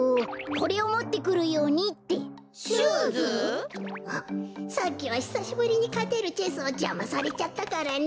こころのこえさっきはひさしぶりにかてるチェスをじゃまされちゃったからね。